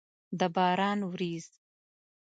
د باران ورېځ!